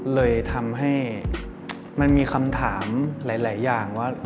เลยทำให้มันมีคำถามหลายอย่างว่า